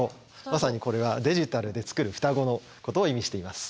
まさにこれがデジタルで作る双子のことを意味しています。